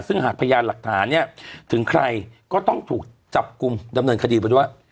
ซึ่งหากพยานหลักฐานเนี่ยถึงใครก็ต้องถูกจับกลุ่มดำเนินคดีไปด้วย